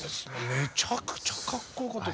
めちゃくちゃかっこよかった。